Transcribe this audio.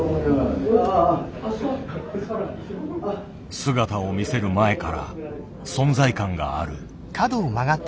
姿を見せる前から存在感がある。